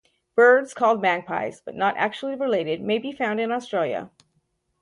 Birds called magpies but not actually related may be found in Australia.